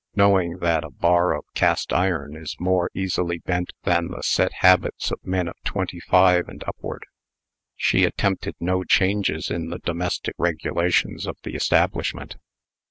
Knowing that a bar of cast iron is more easily bent than the set habits of men of twenty five and upward, she attempted no changes in the domestic regulations of the establishment.